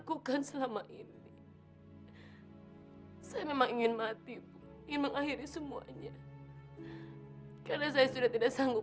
karena saya sudah tidak sanggup